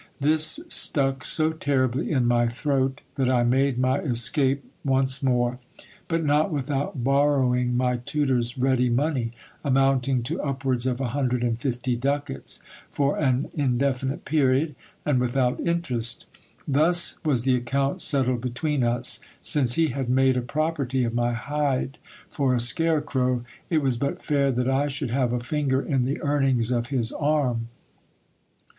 This stuck so terribly in my throat that I made my escape once more, but not without borrowing my tutor's ready money, amount ing to upwards of a hundred and fifty ducats, for an indefinite period, and with out interest. Thus was the account settled between us, since he had made a property of my hide for a scarecrow, it was but fair that I should have a finger in the earnings of his arm.